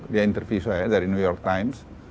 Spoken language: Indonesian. dia interview ya dari new york times